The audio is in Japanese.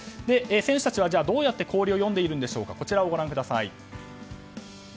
選手たちはどうやって氷を読んでいるのかこちらをご覧ください。